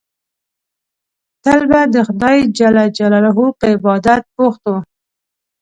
تل به د خدای جل جلاله په عبادت بوخت وو.